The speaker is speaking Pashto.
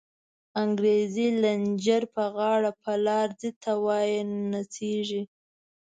انگریزی لنچر په غاړه، په لار ځی ته وایی نڅیږی